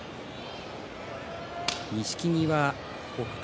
錦木は北勝